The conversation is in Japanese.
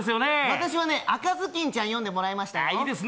私は「赤ずきんちゃん」読んでもらいましたよ。